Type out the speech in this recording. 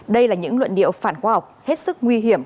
đây là những luận điệu phản khoa học hết sức nguy hiểm